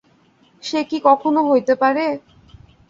সে কি কখনো হইতে পারে?